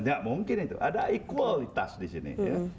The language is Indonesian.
nggak mungkin itu ada equalitas di sini